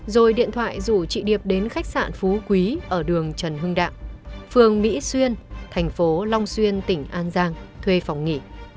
rồi điện thoại rủ chị điệp đến khách sạn phú quý ở đường trần hưng đạo phường mỹ xuyên thành phố long xuyên tỉnh an giang thuê phòng nghỉ